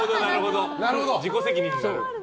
自己責任になる。